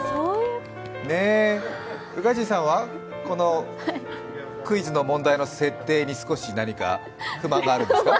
宇賀神さんは、このクイズの問題の設定に少し何か不満があるんですか？